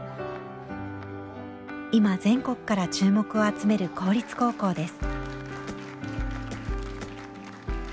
今全国から注目を集める公立高校です。